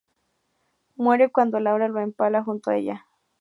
Muere cuando Laura lo empala junto con ella.